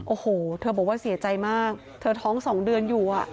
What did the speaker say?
โอ้โหเธอบอกว่าเสียใจมากเธอท้อง๒เดือนอยู่